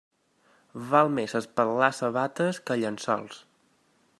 Val més espatlar sabates que llençols.